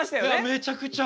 めちゃくちゃ。